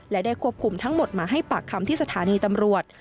และได้ควบคุมทั้งหมดมาให้ปากคำที่สถานีตำรวจ